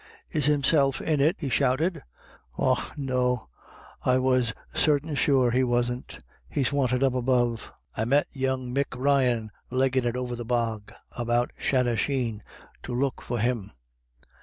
" Is Himself in it?" he shouted. " Och no, I was sartin sure he wasn't. He's wanted up above. I met young Mick Ryan leggin' it over the bog about Shanasheen to look for him.